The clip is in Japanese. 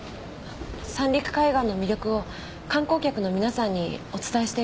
三陸海岸の魅力を観光客の皆さんにお伝えしています。